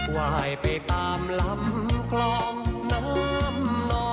วายไปตามลำคลอมน้ำ